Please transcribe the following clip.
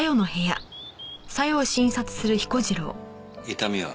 痛みは？